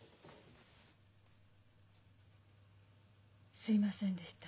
すいませんでした。